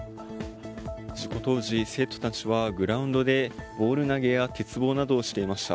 事故当時、生徒たちはグラウンドで、ボール投げや鉄棒などをしていました。